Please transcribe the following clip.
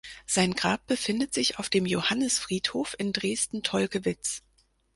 Sein Grab befindet sich auf dem Johannisfriedhof in Dresden-Tolkewitz.